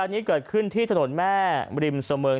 จังหวะเดี๋ยวจะให้ดูนะ